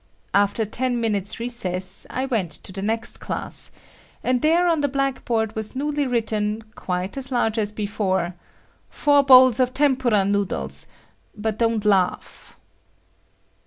After ten minutes' recess, I went to the next class, and there on the black board was newly written quite as large as before; "Four bowls of tempura noodles, but don't laugh."